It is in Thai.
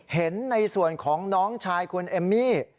เห็นในส่วนของน้องชายคุณเอมมี่